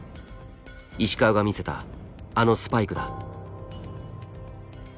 石川が見せたあのスパイクだ。